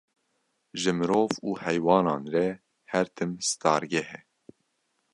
Ji mirov û heywanan re her tim stargeh e